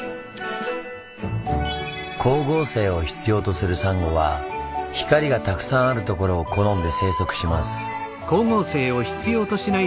光合成を必要とするサンゴは光がたくさんあるところを好んで生息します。